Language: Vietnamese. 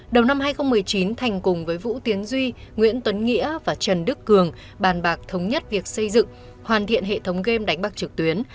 đầu năm hai nghìn một mươi chín thành cùng với vũ tiến duy nguyễn tuấn nghĩa và trần đức cường bàn bạc thống nhất việc xây dựng hoàn thiện hệ thống game đánh bạc trực tuyến